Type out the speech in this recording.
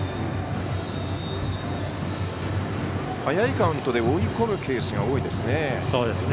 早いカウントで追い込むケースが多いですね。